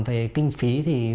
về kinh phí thì